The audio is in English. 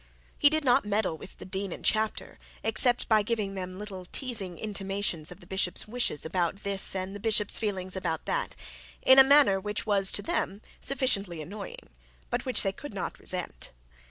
He did not meddle with the dean and chapter, except by giving them little teasing intimations of the bishop's wishes about this and the bishop's feelings about that, in a manner which was to them sufficiently annoying, but which they could not resent.